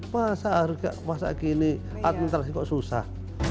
masa harga masa gini administrasi kok susah